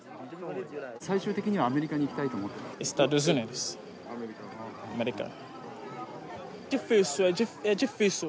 最終的にはアメリカに行きたいと思ってますか？